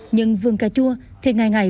nhưng vườn cà chua thì ngày ngày